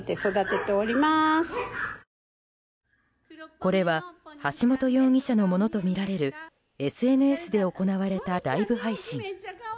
これは橋本容疑者のものとみられるＳＮＳで行われたライブ配信。